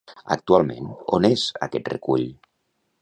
Actualment, on és aquest recull?